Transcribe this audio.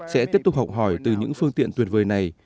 sẽ tiếp tục học hỏi từ những phương tiện tuyệt vời này